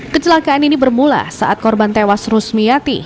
kecelakaan ini bermula saat korban tewas rusmiati